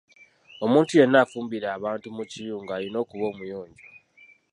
Omuntu yenna afumbira abantu mu kiyungu ayina okuba omuyonjo.